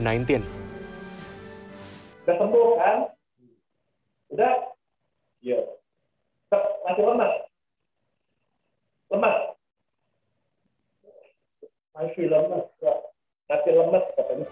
sudah sembuh kan sudah ya nanti lemas lemas nanti lemas nanti lemas